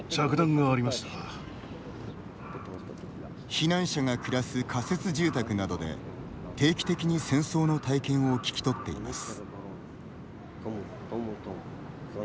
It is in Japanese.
避難者が暮らす仮設住宅などで定期的に戦争の体験を聞きとっています。